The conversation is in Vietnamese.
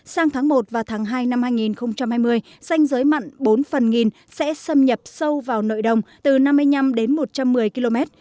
sang tháng một và tháng hai năm hai nghìn hai mươi xanh giới mặn bốn phần nghìn sẽ xâm nhập sâu vào nội đồng từ năm mươi năm đến một trăm một mươi km